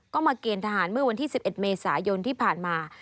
ก็มาเกณฑ์ทหารเมื่อวันที่๑๑เมษายนที่ผ่านมา